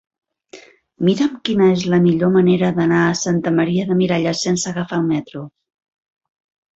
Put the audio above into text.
Mira'm quina és la millor manera d'anar a Santa Maria de Miralles sense agafar el metro.